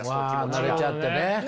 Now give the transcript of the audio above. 慣れちゃってね。